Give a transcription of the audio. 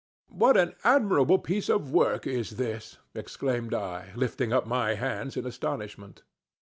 "What an admirable piece of work is this!" exclaimed I, lifting up my hands in astonishment.